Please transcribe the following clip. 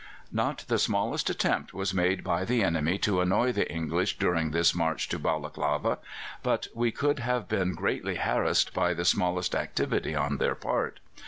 Not the smallest attempt was made by the enemy to annoy the English during this march to Balaklava; but we could have been greatly harassed by the smallest activity on their part.